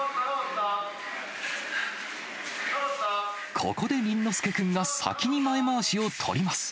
ここで倫之亮君が先に前まわしを取ります。